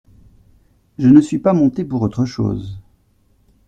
Je ne suis pas montée pour autre chose.